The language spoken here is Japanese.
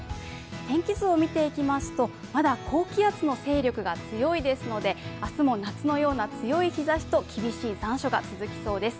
天気図を見ていきますとまだ高気圧の勢力が強いですので明日も夏のような強い日ざしと厳しい残暑が続きそうです。